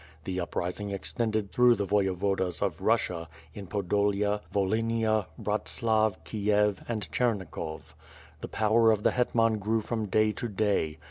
The uprising extended through the Voyovodas of Russia, in Podolia, Volhynia, Bratslav, Kiev, and Chernikov. The power of the hetman grew from day to day.